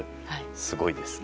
すごいですね。